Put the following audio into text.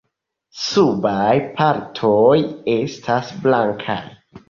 Subaj partoj estas blankaj.